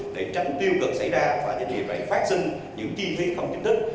để tránh tiêu cực xảy ra và doanh nghiệp này phát sinh những chi phí không chính thức